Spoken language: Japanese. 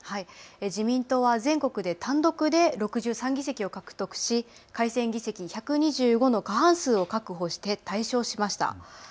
自民党は全国で単独で６３議席を獲得し、改選議席１２５の過半数を確保して大勝しました。